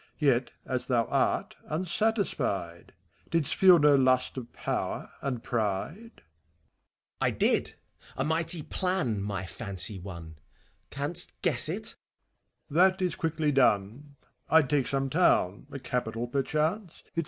Yet, as thou art, unsatisfied. Didst feel no lust of power and pride T FAUST. I did I A mighty plan my fancy won : Canst guess itf MBPHISTOPHELBS. That is quickly done, 'd take some town, — a capital, perchance, — ACT IV.